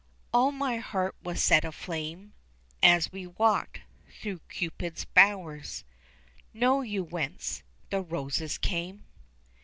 All my heart was set aflame As we walked through Cupid's bowers; Know you whence the roses came?